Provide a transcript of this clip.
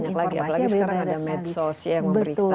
banyak lagi apalagi sekarang ada medsos yang memberitakan